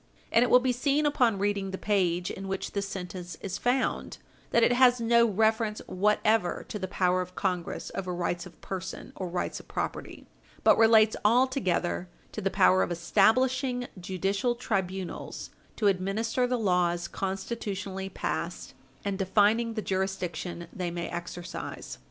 And it will be seen upon reading the page in which this sentence is found that it has no reference whatever to the power of Congress over rights of person or rights of property, but relates altogether to the power of establishing judicial tribunals to administer the laws constitutionally passed, and defining the jurisdiction they may exercise.